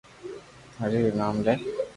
ھري رو نوم لي